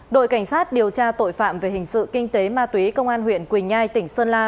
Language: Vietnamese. đội cảnh sát điều tra tội phạm về hình sự kinh tế ma túy công an huyện quỳnh nhai tỉnh sơn la